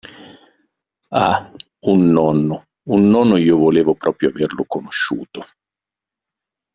Ah, un nonno, un nonno io volevo proprio averlo conosciuto.